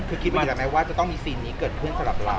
คือคิดว่าจะต้องมีซีนนี้เกิดเพิ่งสำหรับเรา